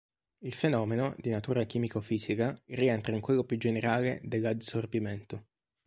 Il fenomeno, di natura chimico-fisica, rientra in quello più generale dell'adsorbimento.